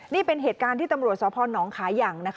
นี่เป็นเหตุการณ์ที่ตำรวจสพนขายัง